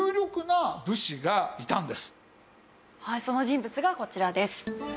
はいその人物がこちらです。